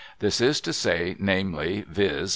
This is to say, namely, viz.